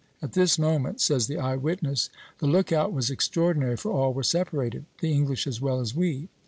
"At this moment," says the eye witness, "the lookout was extraordinary, for all were separated, the English as well as we.